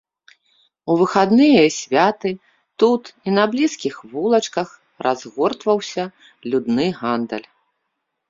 У выхадныя і святы тут і на блізкіх вулачках разгортваўся людны гандаль.